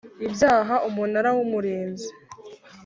ibyaha Umunara w Umurinzi